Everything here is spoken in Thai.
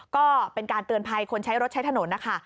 ก็เป็นการเตือนภัยคนใช้รถใช้ถนนนะคะ